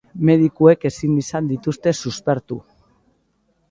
Medikuek ezin izan dituzte suspertu.